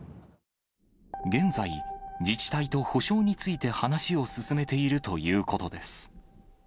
現在、自治体と補償について話を進めているということです。